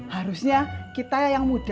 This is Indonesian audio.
harusnya kita yang muda nih ya